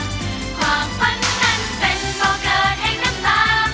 ความฝันนั้นเป็นบอกเกิดให้น้ำตา